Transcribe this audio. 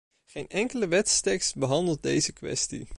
Geen enkele wetstekst behandelde deze kwestie.